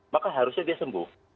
maka harusnya dia sembuh